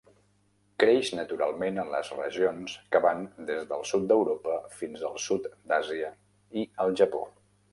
Creix naturalment en les regions que van des del sud d'Europa fins al sud d'Àsia i el Japó.